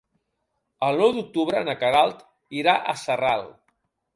El nou d'octubre na Queralt irà a Sarral.